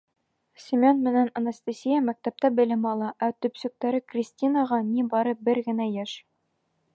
Семен менән Анастасия мәктәптә белем ала, ә төпсөктәре Кристинаға ни бары бер генә йәш.